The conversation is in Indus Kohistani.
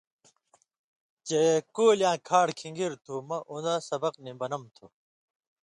چےۡ کُولیاں کھاڑ کِھن٘گِروۡ تُھو مہ اُن٘دہ سبق نی بنم تُھو۔